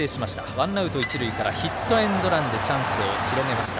ワンアウト、一塁からヒットエンドランでチャンスを広げました。